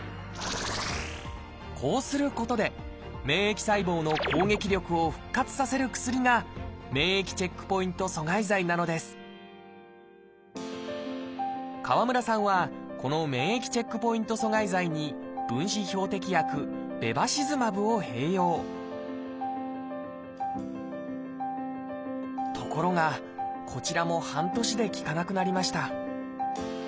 こうすることで免疫細胞の攻撃力を復活させる薬が免疫チェックポイント阻害剤なのです川村さんはこのところがこちらも半年で効かなくなりました